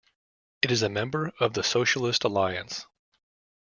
It is a member of the Socialist Alliance.